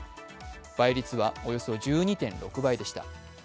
倍率は、およそ１２．６倍でした。